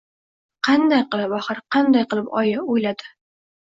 “Qanday qilib? Axir, qanday qilib, oyi? – oʻyladi.